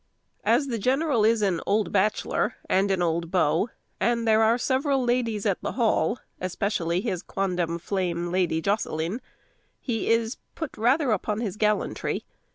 As the general is an old bachelor and an old beau, and there are several ladies at the Hall, especially his quondam flame Lady Jocelyne, he is put rather upon his gallantry.